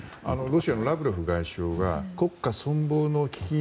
ロシアのラブロフ外相が国家存亡の危機